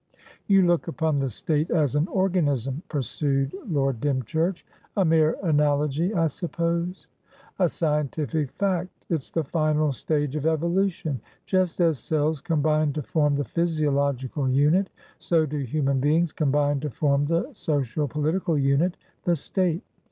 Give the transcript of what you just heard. "You look upon the State as an organism," pursued Lord Dymchurch. "A mere analogy, I suppose?" "A scientific fact. It's the final stage of evolution. Just as cells combine to form the physiological unit, so do human beings combine to form the social political unitthe State.